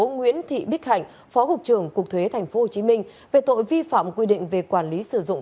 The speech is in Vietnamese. nguyễn thị bích hạnh phó cục trưởng cục thuế tp hcm về tội vi phạm quy định về quản lý sử dụng